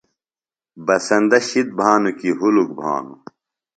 بسندہ شِد بھانُوۡ کی ہُلک بھانوۡ؟